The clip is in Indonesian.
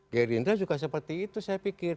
gerindra juga seperti itu saya pikir